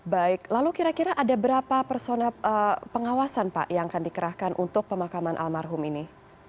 baik lalu kira kira ada berapa personel pengawasan pak yang akan dikerahkan untuk pemakaman almarhum ini